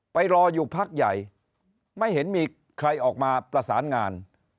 รออยู่พักใหญ่ไม่เห็นมีใครออกมาประสานงาน